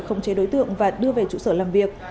khống chế đối tượng và đưa về trụ sở làm việc